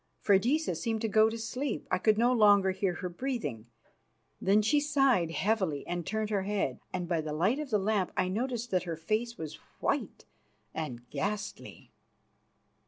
Freydisa seemed to go to sleep; I could no longer hear her breathing. Then she sighed heavily and turned her head, and by the light of the lamp I noted that her face was white and ghastly.